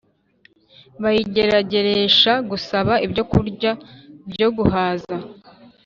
Bayigerageresha gusaba ibyokurya byo guhaza